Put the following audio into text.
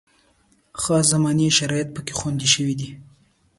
خاص زماني شرایط پکې خوندي شوي دي.